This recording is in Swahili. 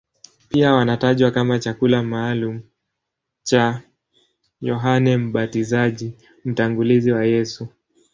Pia wanatajwa kama chakula maalumu cha Yohane Mbatizaji, mtangulizi wa Yesu.